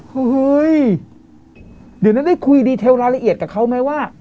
เฮ้ยเดี๋ยวนั้นได้คุยดีเทลรายละเอียดกับเขาไหมว่า